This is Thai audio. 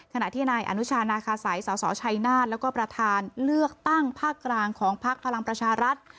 ขณะที่นายอนุชานาคาสัยสสชัยนาฏแล้วก็ประธานเลือกตั้งภาคกลางของพักพลังประชารัฐ